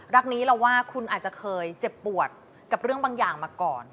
รักนี้เราว่าคุณอาจจะเคยเจ็บปวดกับเรื่องบางอย่างมาก่อน